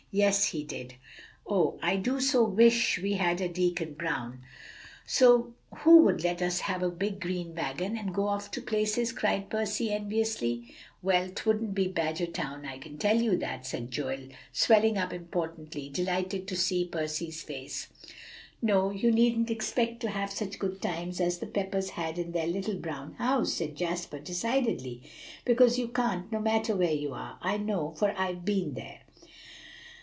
"Yes, he did." "Oh! I do so wish we had a Deacon Brown, who would let us have a big green wagon and go off to places," said Percy enviously. "Well, 'twouldn't be Badgertown, I can tell you that," said Joel, swelling up importantly, delighted to see Percy's face. "No, you needn't expect to have such good times as the Peppers had in their Little Brown House," said Jasper decidedly; "because you can't, no matter where you are. I know, for I've been there."